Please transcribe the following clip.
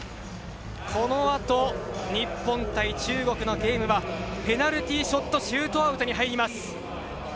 このあと日本対中国のゲームはペナルティーショットシュートアウトに入ります。